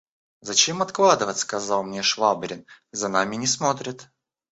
«Зачем откладывать? – сказал мне Швабрин, – за нами не смотрят.